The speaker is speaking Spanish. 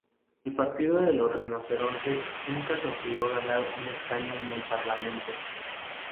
El Partido de los Rinocerontes nunca consiguió ganar un escaño en el Parlamento.